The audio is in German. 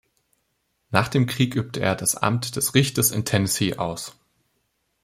Nach dem Krieg übte er das Amt des Richters in Tennessee aus.